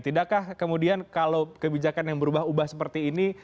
tidakkah kemudian kalau kebijakan yang berubah ubah seperti ini